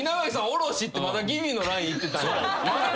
おろしってまだギリのラインいってた。